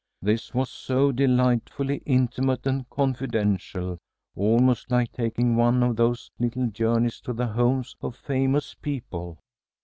This was so delightfully intimate and confidential, almost like taking one of those "little journeys to the homes of famous people."